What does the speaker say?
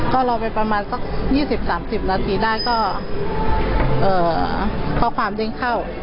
ก็รอไปประมาณสักยี่สิบสามสิบนาทีได้ก็เอ่อข้อความเด้งเข้า